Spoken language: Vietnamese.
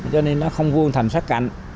cho nên nó không vươn thành sát cạnh